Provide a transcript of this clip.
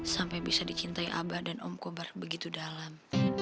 sampai bisa dicintai abah dan om kobar begitu dalam